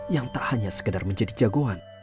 yang tak hanya sekedar menjadi jagoan